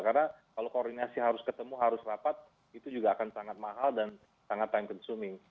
karena kalau koordinasi harus ketemu harus rapat itu juga akan sangat mahal dan sangat time consuming